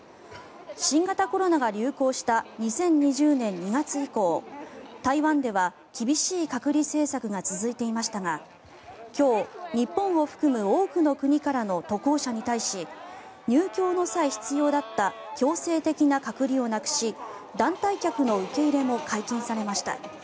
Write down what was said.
新型コロナが流行した２０２０年２月以降台湾では厳しい隔離政策が続いていましたが今日、日本を含む多くの国からの渡航者に対し入境の際、必要だった強制的な隔離をなくし団体客の受け入れも解禁されました。